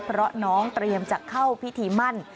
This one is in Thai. เพราะน้องเตรียมจะเข้าพิธีมั่น